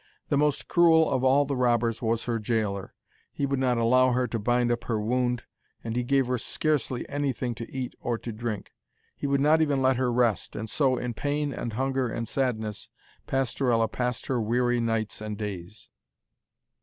The most cruel of all the robbers was her gaoler. He would not allow her to bind up her wound, and he gave her scarcely anything to eat or to drink. He would not even let her rest, and so, in pain and hunger and sadness, Pastorella passed her weary nights and days.